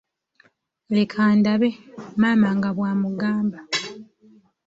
Leka ndabe, maama nga bw'amugamba.